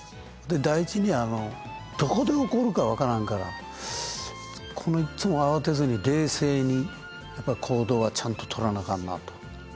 第一にどこで起こるか分からんからいつも慌てずに冷静にやっぱ行動はちゃんととらなあかんなと。